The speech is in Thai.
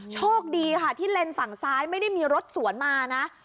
โชคดีค่ะที่เลนส์ฝั่งซ้ายไม่ได้มีรถสวนมานะ